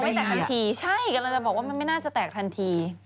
น่าจะอย่างไม่แตกทันทีใช้อะไรจะบอกว่ามันไม่น่าจะแตกทันที